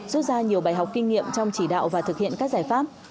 rút ra nhiều bài học kinh nghiệm trong chỉ đạo và thực hiện các giải pháp